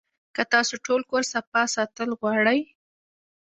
کۀ تاسو ټول کور صفا ساتل غواړئ